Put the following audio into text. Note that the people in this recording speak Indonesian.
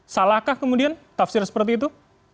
salahkah kemudian tafsir seperti itu